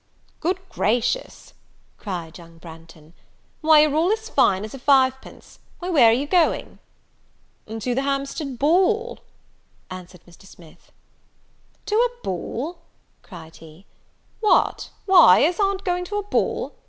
"Good gracious!" cried young Branghton, "why, you're all as fine as a five pence! Why, where are you going?" "To the Hampstead ball," answered Mr. Smith. "To a ball!" cried he. "Why, what, is aunt going to a ball?